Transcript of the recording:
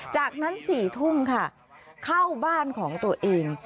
จากนั้น๔ทุ่มค่ะเข้าบ้านของตัวเอง